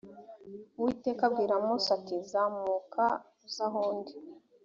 uwiteka abwira mose ati zamuka uze aho ndi